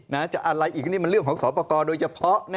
นะจะอะไรอีกนี่มันเรื่องของสอปกโดยเฉพาะนี่